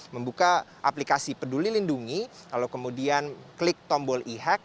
membuka aplikasi peduli lindungi lalu kemudian klik tombol e hack